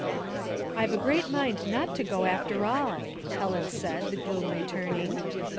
" I've a great mind not to go, after all," Helen said, the gloom returning.